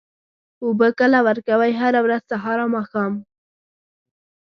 اوبه کله ورکوئ؟ هره ورځ، سهار او ماښام